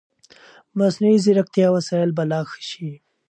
مصنوعي ځیرکتیا وسایل به لا ښه شي.